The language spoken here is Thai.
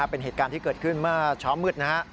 เป็นเหตุการณ์ที่เกิดขึ้นเมื่อเช้ามืดนะฮะ